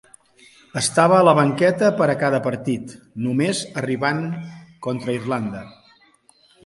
Estava a la banqueta per a cada partit, només arribant contra Irlanda.